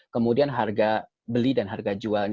kemudian harga beli dan harga jualnya